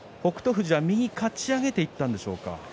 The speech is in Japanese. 富士は右かち上げていったんでしょうか。